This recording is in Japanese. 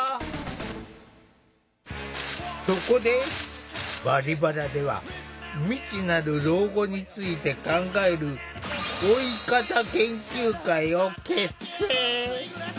そこで「バリバラ」では未知なる老後について考える「老い方研究会」を結成。